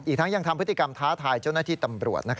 ทั้งยังทำพฤติกรรมท้าทายเจ้าหน้าที่ตำรวจ